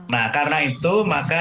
nah karena itu maka